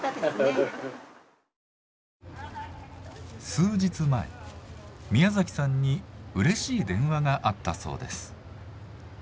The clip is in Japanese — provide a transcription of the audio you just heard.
数日前宮崎さんにうれしい電話があったそうです。